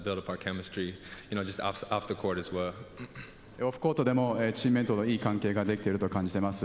オフコートでもチームメートといい関係かできていると感じます。